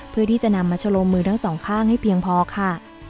เพื่อที่จะนำมาชะลงมือทั้งสองข้างให้เพียงพอค่ะ